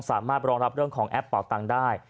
สามารถรองรับเรื่องของแอปเป่าตังได้